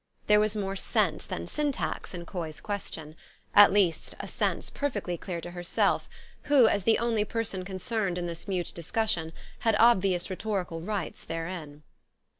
There was more sense than sj^ntax in Coy's question ; at least a sense perfectly clear to herself, who, as the only person concerned in this mute discussion, had obvi ous rhetorical rights therein.